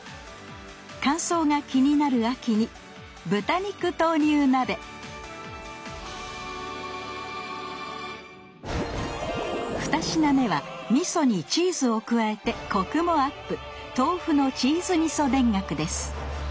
乾燥が気になる秋に「豚肉豆乳鍋」２品目はみそにチーズを加えてコクもアップ！